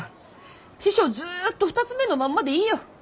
師匠ずっと二ツ目のまんまでいいよ。